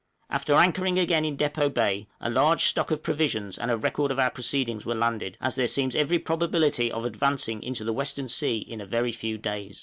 After anchoring again in Depôt Bay, a large stock of provisions and a record of our proceedings were landed, as there seems every probability of advancing into the western sea in a very few days.